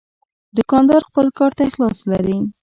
دوکاندار خپل کار ته اخلاص لري.